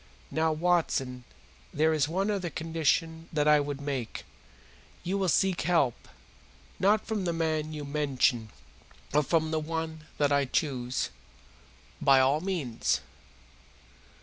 Now, Watson, there is one other condition that I would make. You will seek help, not from the man you mention, but from the one that I choose." "By all means."